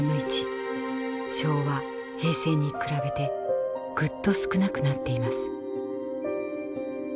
昭和・平成に比べてぐっと少なくなっています。